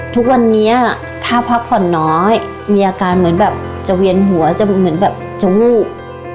ทุกวันนี้ถ้าพักผ่อนน้อยมีอาการเหมือนแบบจะเวียนหัวจะเหมือนแบบจะวูบ